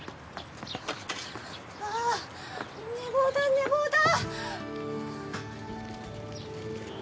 ああ寝坊だ寝坊だ。